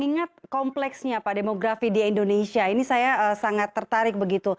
mengingat kompleksnya pak demografi di indonesia ini saya sangat tertarik begitu